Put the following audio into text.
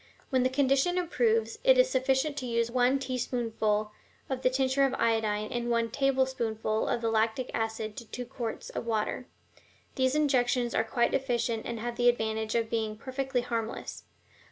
When the condition improves, it is sufficient to use one teaspoonful of the tincture of iodine and one tablespoonful of the lactic acid to two quarts of water. These injections are quite efficient and have the advantage of being perfectly harmless.